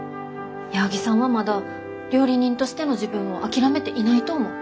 矢作さんはまだ料理人としての自分を諦めていないと思う。